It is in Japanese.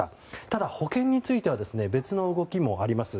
ただ、保険については別の動きもあります。